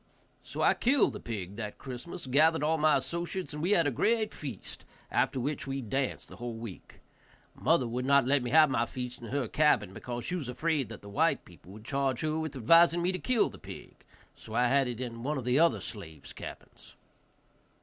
So I killed the pig that Christmas, gathered all of my associates, and had a great feast, after which we danced the whole week. Mother would not let me have my feast in her cabin, because she was afraid that the white people would charge her with advising me to kill the pig, so I had it in one of the other slave's cabins.